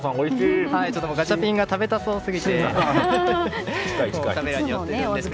ガチャピンが食べたそう過ぎてカメラに寄っています。